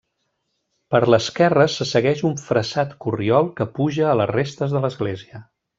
Per l'esquerra se segueix un fressat corriol que puja a les restes de l'església.